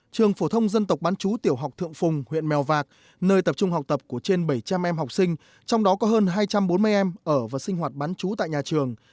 trường phổ thông dân tộc bán chú tiểu học thượng phùng huyện mèo vạc nơi tập trung học tập của trên bảy trăm linh em học sinh trong đó có hơn hai trăm bốn mươi em ở và sinh hoạt bán chú tại nhà trường